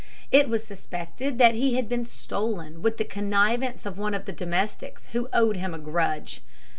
It was suspected that he had been stolen, with the connivance of one of the domestics, who owed him a grudge.